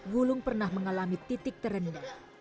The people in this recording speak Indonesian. wulung pernah mengalami titik terendah